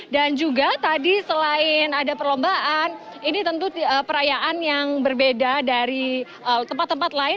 dan juga tadi selain ada perlombaan ini tentu perayaan yang berbeda dari tempat tempat lain